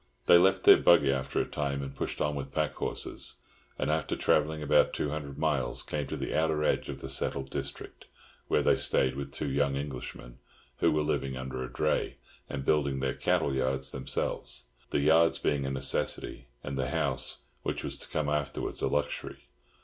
They left their buggy after a time, and pushed on with pack horses; and after travelling about two hundred miles, came to the outer edge of the settled district, where they stayed with two young Englishmen, who were living under a dray, and building their cattle yards themselves—the yards being a necessity, and the house, which was to come afterwards, a luxury.